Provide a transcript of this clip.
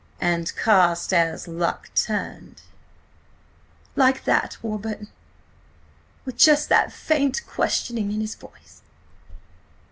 ... 'And Carstares' luck turned. ...?' Like that, Warburton! With just that faint, questioning in his voice.